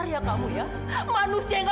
tak ada keju itu sekarang ya